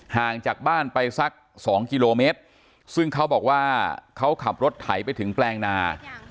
ห่างจากบ้านไปสักสองกิโลเมตรซึ่งเขาบอกว่าเขาขับรถไถไปถึงแปลงนา